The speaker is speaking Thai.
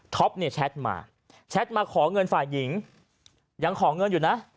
เนี่ยแชทมาแชทมาขอเงินฝ่ายหญิงยังขอเงินอยู่นะ